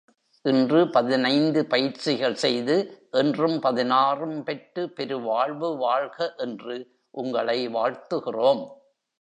இன்று பதினைந்து பயிற்சிகள் செய்து, என்றும் பதினாறும் பெற்றும் பெருவாழ்வு வாழ்க என்று உங்களை வாழ்த்துகிறோம்.